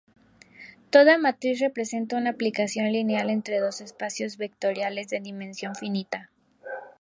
Toda matriz representa una aplicación lineal entre dos espacios vectoriales de dimensión finita.